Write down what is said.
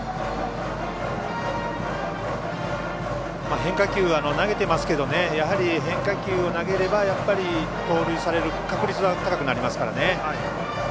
変化球は投げてますけどやはり、変化球を投げればやっぱり盗塁される確率は高くなりますからね。